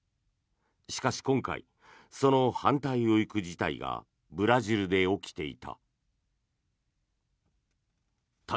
しかし、今回その反対を行く事態がブラジルで起きていた。